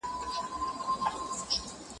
د یوه په مفهوم لا نه یم پوه سوی.